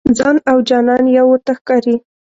ځان او جانان یو ورته ښکاري.